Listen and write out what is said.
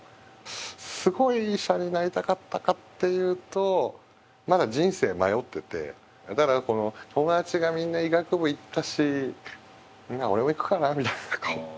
すごく医者になりたかったかっていうとまだ人生迷っていてだから「友達がみんな医学部行ったしまあ俺も行くかな」みたいなこう。